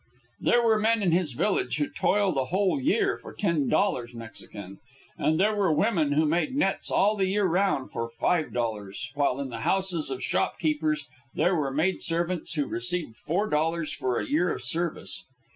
There were men in his village who toiled a whole year for ten dollars Mexican, and there were women who made nets all the year round for five dollars, while in the houses of shopkeepers there were maidservants who received four dollars for a year of service.